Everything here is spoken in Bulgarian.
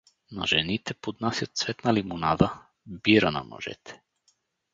На жените поднасят цветна лимонада, бира — на мъжете.